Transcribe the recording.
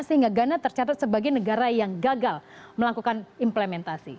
sehingga ghana tercatat sebagai negara yang gagal melakukan implementasi